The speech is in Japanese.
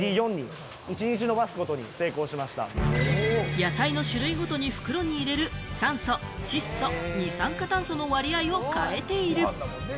野菜の種類ごとに袋に入れる酸素・二酸化炭素・窒素の割合を変えている。